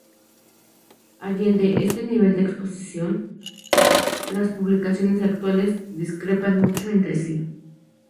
Allende este nivel de exposición, las publicaciones actuales discrepan mucho entre sí.